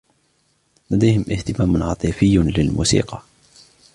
لديها إهتمام عاطفي للموسيقى.